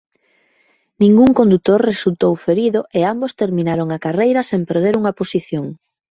Ningún condutor resultou ferido e ambos terminaron a carreira sen perder unha posición.